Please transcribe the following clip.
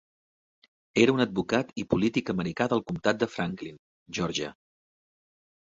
Era un advocat i polític americà del comtat de Franklin, Georgia.